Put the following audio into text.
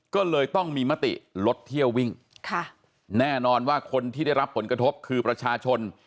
ก็เลยต้องมีมติลดเที่ยววิ่งค่ะแน่นอนว่าคนที่ได้รับผลกระทบคือประชาชน